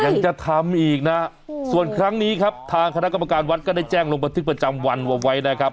ยังจะทำอีกนะส่วนครั้งนี้ครับทางคณะกรรมการวัดก็ได้แจ้งลงบันทึกประจำวันเอาไว้นะครับ